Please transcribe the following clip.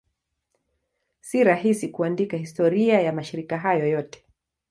Si rahisi kuandika historia ya mashirika hayo yote.